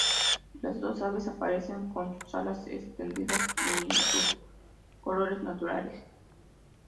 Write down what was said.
Las dos aves aparecen con sus alas extendidas y en sus colores naturales.